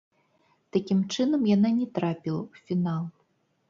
Такім чынам, яна не трапіла ў фінал.